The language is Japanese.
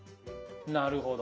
なるほど。